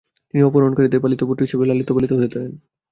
তিনি অপহরণকারীদের পালিত পুত্র হিসেবে লালিত-পালিত হতে থাকেন।